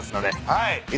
はい。